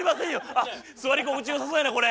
あ座り心地良さそうやなこれ。